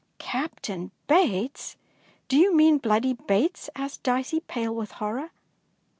"Captain Bates! Do you mean ' Bloody Bates'? " asked Dicey, pale with horror.